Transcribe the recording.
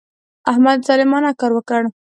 احمد ظالمانه کار وکړ.